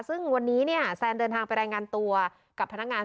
ซึ่งวันนี้เนี่ยแซนเดินทางไปรายงานตัวกับพนักงาน